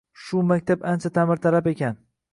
Shu maktab ancha ta’mirtalab ekan.